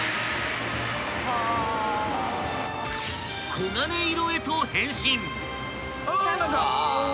［黄金色へと変身！］